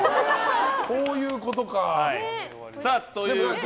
こういうことか。